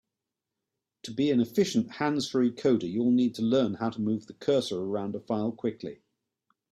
To be an efficient hands-free coder, you'll need to learn how to move the cursor around a file quickly.